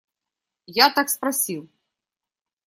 Я так спросил.